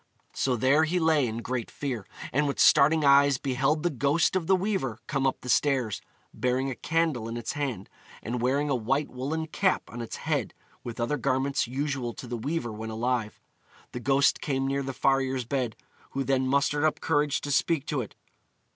So there he lay in great fear, and with starting eyes beheld the ghost of the weaver come up the stairs, bearing a candle in its hand, and wearing a white woollen cap on its head, with other garments usual to the weaver when alive. The ghost came near the farrier's bed, who then mustered up courage to speak to it.